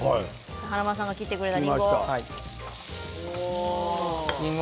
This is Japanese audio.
華丸さんが切ってくれたりんご。